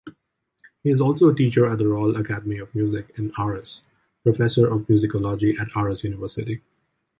He is also a teacher at the Royal Academy of Music in Aarhus, professor of musicology at Aarhus University.